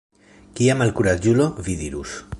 Kia malkuraĝulo, vi dirus.